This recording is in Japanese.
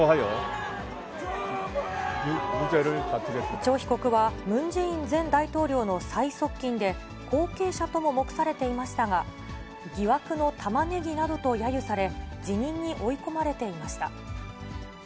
チョ被告は、ムン・ジェイン前大統領の最側近で、後継者とも目されていましたが、疑惑のタマネギなどとやゆされ、辞任に追い込まれていました。